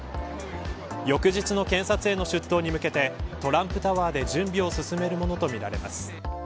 翌日の検察への出頭に向けてトランプタワーで準備を進めるものとみられています。